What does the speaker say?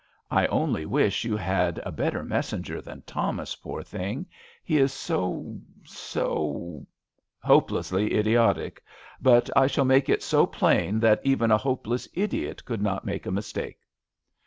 I only wish you had a better messenger than Thomas, poor thing ! he is so— so " "Hopelessly idiotic. But I shall make it so plain that even a hopeless idiot could not make a mistake."